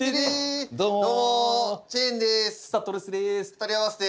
２人合わせて。